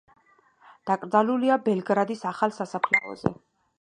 დაკრძალულია ბელგრადის ახალ სასაფლაოზე.